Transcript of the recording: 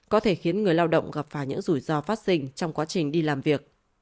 có thể khiến người lao động gặp phải những rủi ro phát sinh trong quá trình đi làm việc